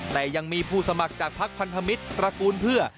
แต่ยังมีผู้สมัครจากพักพันธมิตรตระกูลเพื่อ